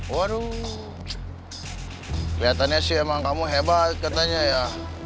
waduh kelihatannya sih emang kamu hebat katanya ya